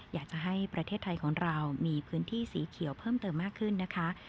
อยากจะให้ประเทศไทยของเรามีพื้นที่สีเขียวเพิ่มเติมมากขึ้นนะคะ